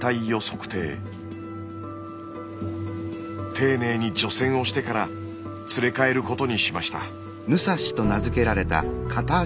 丁寧に除染をしてから連れ帰ることにしました。